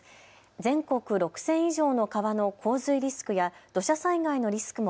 全国６０００以上の川の洪水リスクや土砂災害のリスクも